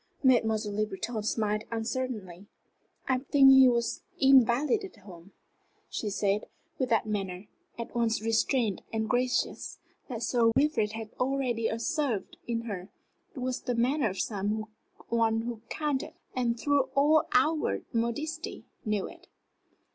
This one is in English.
Mademoiselle Le Breton smiled uncertainly. "I think he was invalided home," she said, with that manner, at once restrained and gracious, that Sir Wilfrid had already observed in her. It was the manner of some one who counted; and through all outward modesty knew it.